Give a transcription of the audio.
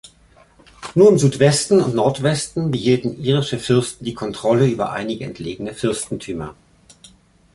Nur im Südwesten und Nordwesten behielten irische Fürsten die Kontrolle über einige entlegene Fürstentümer.